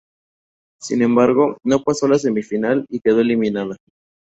Sin embargo, no pasó de la semifinal y quedó eliminada.